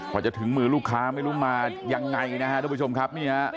พอจะถึงมือลูกค้าไม่รู้มายังไงนะครับทุกผู้ชมครับ